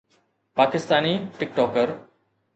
Pakistani ٽڪ ٽوڪر